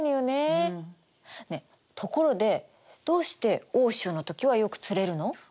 ねえところでどうして大潮の時はよく釣れるの？